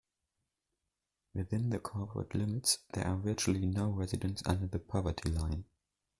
Within the corporate limits, there are virtually no residents under the poverty line.